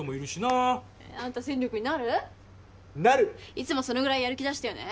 いつもそのぐらいやる気出してよね。